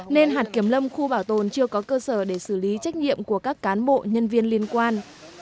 nên hạt kiểm lâm khu bảo tồn chưa có cơ sở để xử lý trách nhiệm của các cán bộ nhân viên liên quan